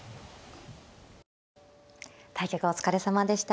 対局お疲れさまでした。